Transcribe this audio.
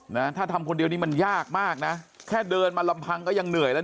นะถ้าทำคนเดียวนี่มันยากมากนะแค่เดินมาลำพังก็ยังเหนื่อยแล้ว